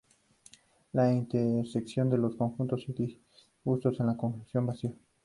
La intersección de dos conjuntos disjuntos es el conjunto vacío.